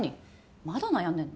まだ悩んでんの！